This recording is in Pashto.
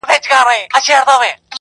• زه یې وینمه که خاص دي او که عام دي,